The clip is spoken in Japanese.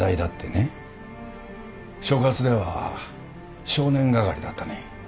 所轄では少年係だったね。